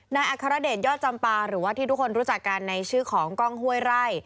อัครเดชยอดจำปาหรือว่าที่ทุกคนรู้จักกันในชื่อของกล้องห้วยไร่